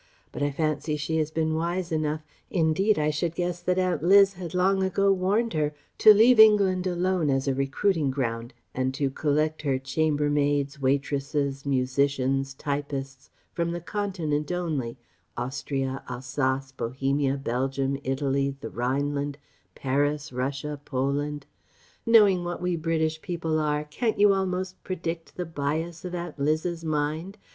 But I fancy she has been wise enough indeed I should guess that Aunt Liz had long ago warned her to leave England alone as a recruiting ground and to collect her chambermaids, waitresses, musicians, typists from the Continent only Austria, Alsace, Bohemia, Belgium, Italy, the Rhineland, Paris, Russia, Poland. Knowing what we British people are, can't you almost predict the bias of Aunt Liz's mind?